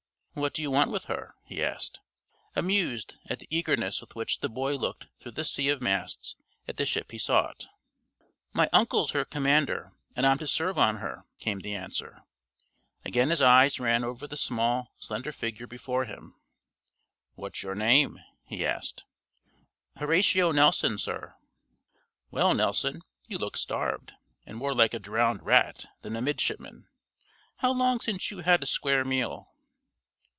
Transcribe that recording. "What do you want with her?" he asked, amused at the eagerness with which the boy looked through the sea of masts at the ship he sought. "My uncle's her commander, and I'm to serve on her," came the answer. "How can I get on board?" "I'll look after that," said the young lieutenant. "She's my ship too." Again his eyes ran over the small, slender figure before him. "What's your name?" he asked. "Horatio Nelson, sir." "Well, Nelson, you look starved, and more like a drowned rat than a midshipman. How long since you had a square meal?"